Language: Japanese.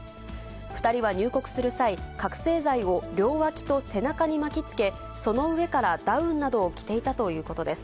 ２人は入国する際、覚醒剤を両脇と背中に巻きつけ、その上からダウンなどを着ていたということです。